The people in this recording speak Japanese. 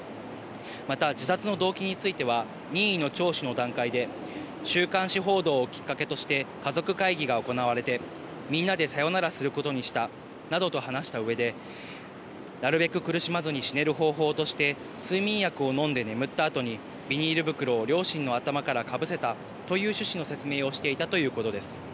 また、自殺の動機については、任意の聴取の段階で、週刊誌報道をきっかけとして家族会議が行われて、みんなでさよならすることにしたなどと話したうえで、なるべく苦しまずに死ねる方法として、睡眠薬を飲んで眠ったあとにビニール袋を両親の頭からかぶせたという趣旨の説明をしていたということです。